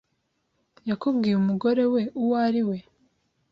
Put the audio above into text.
yakubwiye umugore we uwo ari we?